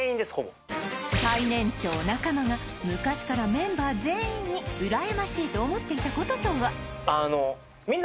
最年長中間が昔からメンバー全員に「羨ましい！」と思っていたこととは？